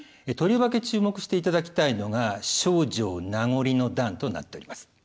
とりわけ注目していただきたいのが「丞相名残の段」となっております。